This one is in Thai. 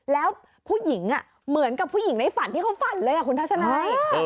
แล้วผู้หญิงเหมือนกับผู้หญิงในฝันที่เขาฝันเลยคุณทัศนัย